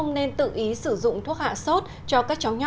và cần tự ý sử dụng thuốc hạ sốt cho các cháu nhỏ